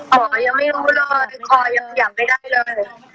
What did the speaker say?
หมอยังไม่รู้เลยหมอยังไม่ได้เลย